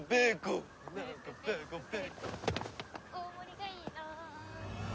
大盛りがいいな！